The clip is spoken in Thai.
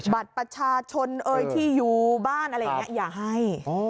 บัตรประชาชนเอ่ยที่อยู่บ้านอะไรอย่างนี้อย่าให้